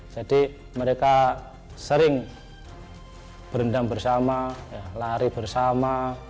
jadi mereka sering berendam bersama lari bersama